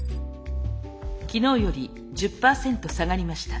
昨日より１０％下がりました。